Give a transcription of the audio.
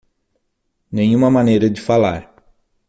Nenhuma maneira de falar